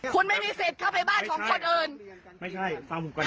คุณไม่มีสิทธิ์เข้าไปบ้านของคนอื่นไม่ใช่